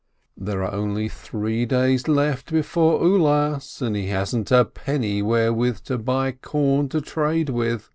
There are only three days left before Ulas, and he hasn't a penny wherewith to buy corn to trade with.